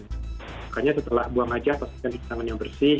makanya setelah buang hajat pastikan istana yang bersih